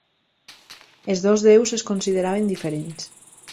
Els dos deus es consideraven diferents.